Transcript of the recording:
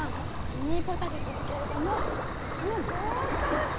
ミニポタジェですけれどもこの防鳥糸！